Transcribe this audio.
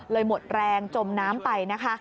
หมดแรงจมน้ำไปนะคะ